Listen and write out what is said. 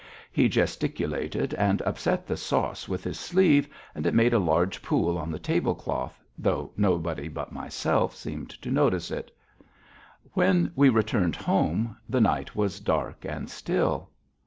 He gesticulated and upset the sauce with his sleeve and it made a large pool on the table cloth, though nobody but myself seemed to notice it. When we returned home the night was dark and still.